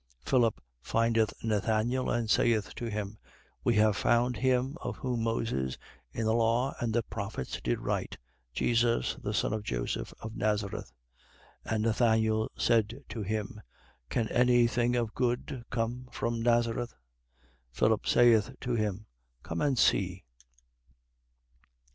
1:45. Philip findeth Nathanael and saith to him: We have found him of whom Moses, in the law and the prophets did write, Jesus the son of Joseph of Nazareth. 1:46. And Nathanael said to him: Can any thing of good come from Nazareth? Philip saith to him: Come and see.